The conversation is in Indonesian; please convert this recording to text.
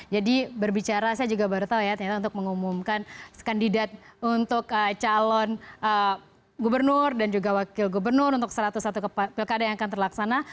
jadi berbicara saya juga baru tahu ya ternyata untuk mengumumkan kandidat untuk calon gubernur dan juga wakil gubernur untuk satu ratus satu kekadeh yang akan terlaksana